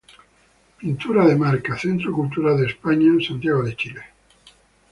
Pintura De-Marca, Centro Cultural de España, Santiago, Chile.